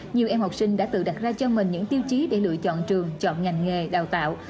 nhiều em học sinh đã tự đặt ra cho mình những tiêu chí để lựa chọn trường chọn ngành nghề đào tạo